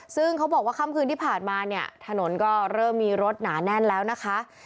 ซึ่งเขาบอกว่าค่ำคืนที่ผ่านมาเนี่ยถนนก็เริ่มมีรถหนาแน่นแล้วนะคะ